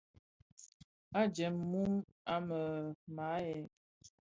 A jèm mum, a mêê maàʼyèg.